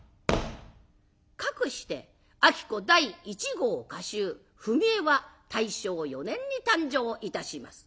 かくして子第一号歌集「踏絵」は大正４年に誕生いたします。